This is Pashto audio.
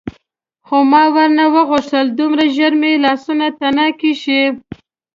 خو ما ونه غوښتل دومره ژر مې لاسونه تڼاکي شي.